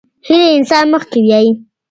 هيله انسان مخکې بيايي.